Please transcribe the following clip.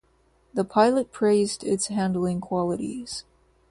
The pilot praised its handling qualities.